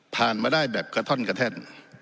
มาได้แบบกระท่อนกระแท่น